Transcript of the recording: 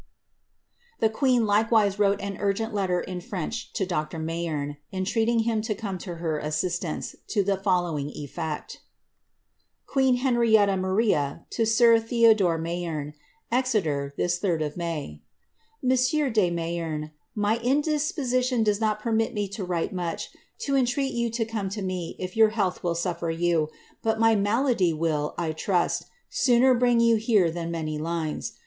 The queen likewise wrote an urgent letter in French to Dr. HayenMi entreating him to come to her assistance, to the following efiect :' Qnnff HsNEinTA BCasu to 8i& Thboikmlx Matkejck. *< Exeter, this 3d of Majr. • Monsieur de Mnyerney " My indisposition does not permit me to write much, to entreat you to come to me if your health will suffer you ; but my malady will, I trust, sooner bring jou here than many lines.